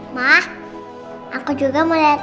maaf kalau dengar itu ya mama turut prihatin